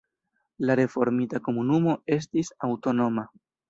La reformita komunumo estis aŭtonoma.